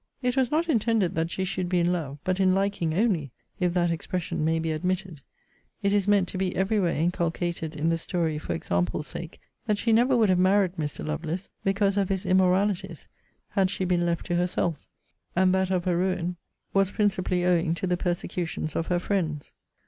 It was not intended that she should be in love, but in liking only, if that expression may be admitted. It is meant to be every where inculcated in the story for example sake, that she never would have married Mr. Lovelace, because of his immoralities, had she been left to herself; and that of her ruin was principally owing to the persecutions of her friends.